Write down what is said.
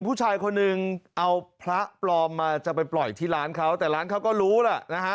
ผู้ชายคนหนึ่งเอาพระปลอมมาจะไปปล่อยที่ร้านเขาแต่ร้านเขาก็รู้ล่ะนะฮะ